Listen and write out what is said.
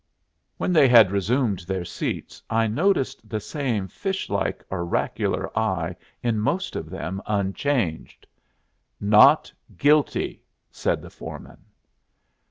When they had resumed their seats I noticed the same fishlike oracular eye in most of them unchanged. "Not guilty," said the foreman.